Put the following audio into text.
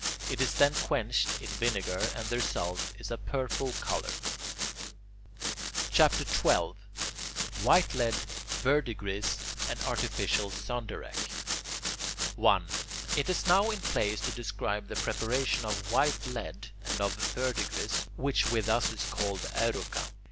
It is then quenched in vinegar, and the result is a purple colour. CHAPTER XII WHITE LEAD, VERDIGRIS, AND ARTIFICIAL SANDARACH 1. It is now in place to describe the preparation of white lead and of verdigris, which with us is called "aeruca."